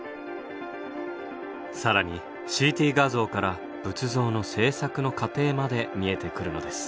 更にＣＴ画像から仏像の制作の過程まで見えてくるのです。